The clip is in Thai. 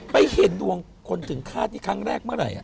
เห็นดวงคนถึงฆาตนี่ครั้งแรกเมื่อไหร่